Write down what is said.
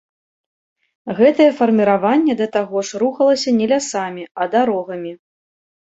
Гэтае фарміраванне да таго ж рухалася не лясамі, а дарогамі.